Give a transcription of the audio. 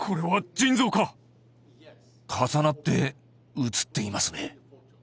Ｙｅｓ．重なって写っていますね